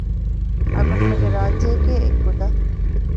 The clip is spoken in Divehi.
އަޅުގަނޑުމެންގެ ރާއްޖެއެކޭ އެއްގޮތަށް